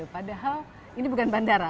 padahal ini bukan bandara